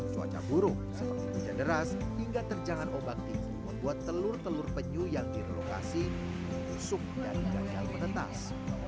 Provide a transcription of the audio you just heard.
cuaca buruk sempat hujan deras hingga terjangan obat tinggi membuat telur telur penyu yang direlokasi musuk dan tidak menetas